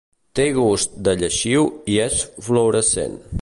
Té gust de lleixiu i és fluorescent.